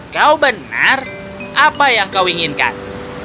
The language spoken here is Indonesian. kau benar apa yang kau inginkan